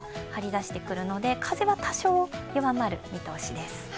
南の方から高気圧が張り出してくるので、風は多少弱まる見通しです。